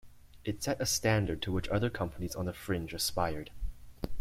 It set a standard to which other companies on the Fringe aspired.